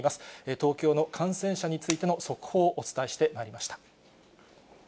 東京の感染者についての速報をお伝えしてまいりました。